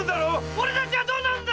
俺たちはどうなるんだ